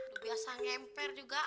lu biasa ngempel juga